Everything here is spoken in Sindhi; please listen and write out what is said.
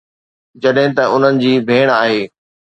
جڏهن ته انهن جي ڀيڻ آهي